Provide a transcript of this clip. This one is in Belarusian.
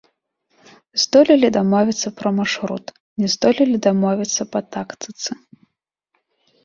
Здолелі дамовіцца пра маршрут, не здолелі дамовіцца па тактыцы.